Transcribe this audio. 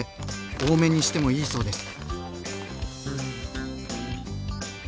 多めにしてもいいそうです。